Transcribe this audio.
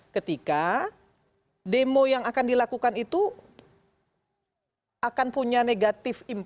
ketika demo yang akan dilakukan itu akan punya negatif impact